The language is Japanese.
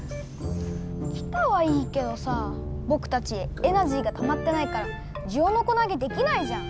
来たはいいけどさボクたちエナジーがたまってないからジオノコなげできないじゃん。